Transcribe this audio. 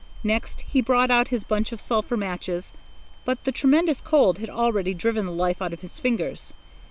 Next he brought out his bunch of sulphur matches. But the tremendous cold had already driven the life out of his fingers.